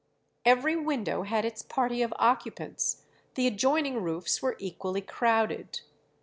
Every window had its party of occupants; the adjoining roofs were equally crowded.